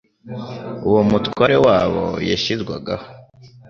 Uwo Mutware wabo yashyirwagaho